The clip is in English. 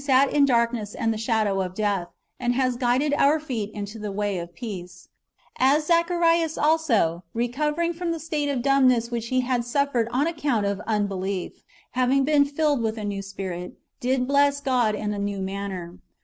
283 sat in darkness and the shadow of death, and has guided our feet into the way of peace ;"^ as Zacliarias also, recovering from the state of dumbness which he had suffered on account of unbehef, having been filled with a new spirit, did bless God in a new manner.